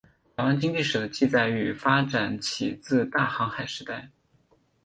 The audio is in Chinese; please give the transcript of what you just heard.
台湾经济史的记载与发展起自大航海时代。